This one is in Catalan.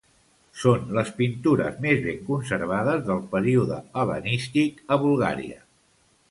Són les pintures més ben conservades del període hel·lenístic a Bulgària.